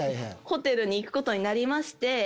ホテルに行くことになりまして。